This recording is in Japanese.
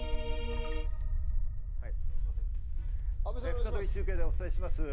再び中継でお伝えします。